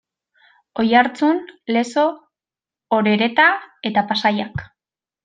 Oiartzun, Lezo, Orereta eta Pasaiak.